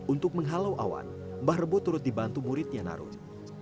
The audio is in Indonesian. untuk menghalau awan mbah rebo turut dibantu muridnya narun